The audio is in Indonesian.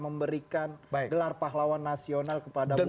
mereka memberikan gelar pahlawan nasional kepada bukarno